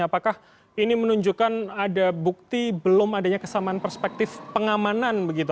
apakah ini menunjukkan ada bukti belum adanya kesamaan perspektif pengamanan begitu